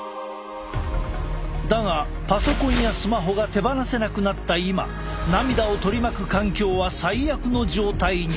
だがパソコンやスマホが手放せなくなった今涙を取り巻く環境は最悪の状態に。